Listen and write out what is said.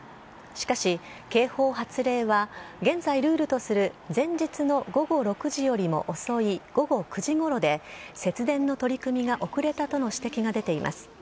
しかし、警報発令は現在ルールとする前日の午後６時よりも遅い午後９時ごろで節電の取り組みが遅れたとの指摘が出ています。